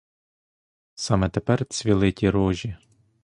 Саме тепер цвіли ті рожі.